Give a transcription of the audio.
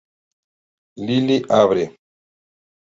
Lily abre.